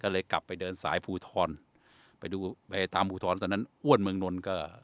ก็เลยกลับไปเดินสายภูทรไปดูไปตามภูทรตอนนั้นอ้วนเมืองนนท์ก็